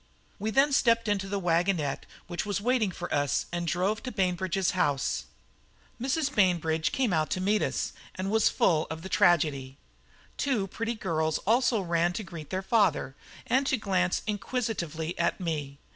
We then stepped into the wagonette which was waiting for us, and drove to Bainbridge's house. Mrs. Bainbridge came out to meet us, and was full of the tragedy. Two pretty girls also ran to greet their father, and to glance inquisitively at me.